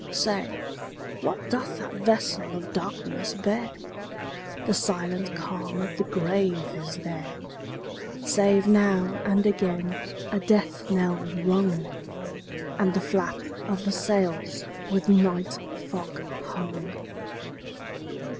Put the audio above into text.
Say, what doth that vessel of darkness bear? The silent calm of the grave is there, Save now and again a death knell rung, And the flap of the sails with night fog hung.